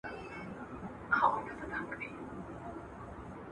تعاون د یوې سالمې ټولني نښه ده.